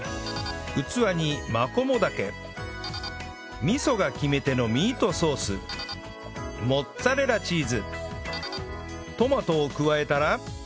器にマコモダケ味噌が決め手のミートソースモッツァレラチーズトマトを加えたら